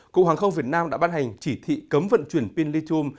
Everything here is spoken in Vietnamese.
cục hàng không việt nam đã bán hành chỉ thị cấm vận chuyển pin lithium